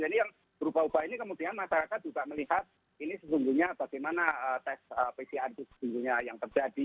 jadi yang berubah ubah ini kemudian masyarakat juga melihat ini sejujurnya bagaimana tes pcr itu sejujurnya yang terjadi